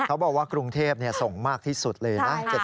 เขาบอกว่ากรุงเทพส่งมากที่สุดเลยนะ